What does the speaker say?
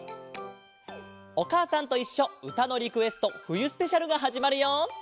「おかあさんといっしょうたのリクエストふゆスペシャル」がはじまるよ！